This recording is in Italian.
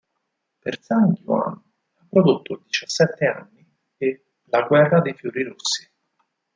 Per Zhang Yuan ha prodotto "Diciassette anni" e "La guerra dei fiori rossi".